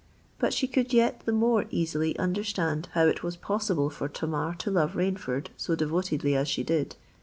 But she could yet the more easily understand how it was possible for Tamar to love Rainford so devotedly as she did.